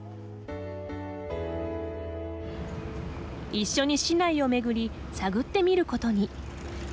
一緒に市内を巡り探ってみることに。